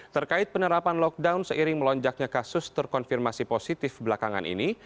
terkait penerapan lockdown seiring melonjaknya kasus terkonfirmasi positif belakangan ini